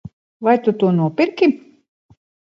Vai tu to nopirki?